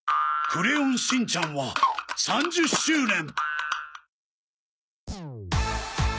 『クレヨンしんちゃん』は３０周年。